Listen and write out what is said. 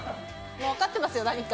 もう分かってますよ、何か。